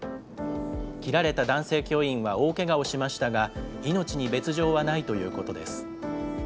切られた男性教員は大けがをしましたが、命に別状はないということです。